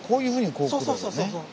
そうそうそうそう。